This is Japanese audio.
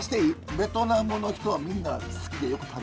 ベトナムの人はみんな好きでよく食べてるんですか？